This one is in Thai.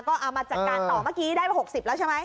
ก็เอามาจัดการต่อเมื่อกี้ได้มา๖๐แล้วใช่ไหม